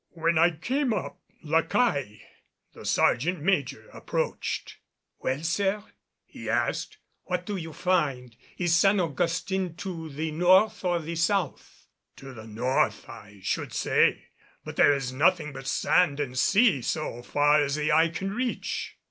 When I came up La Caille, the sergeant major, approached. "Well, sir," he asked, "what do you find? Is San Augustin to the north or the south?" "To the north, I should say. But there is nothing but sand and sea so far as the eye can reach."